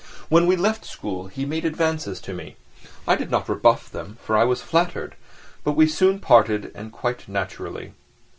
When we left school he made advances to me; I did not rebuff them, for I was flattered, but we soon parted and quite naturally.